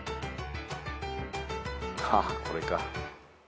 ああこれか。